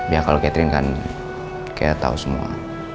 ya kalau catherine kan kayak tau semua